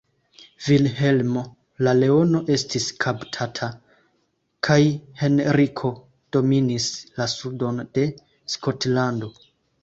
Vilhelmo la Leono estis kaptata, kaj Henriko dominis la sudon de Skotlando.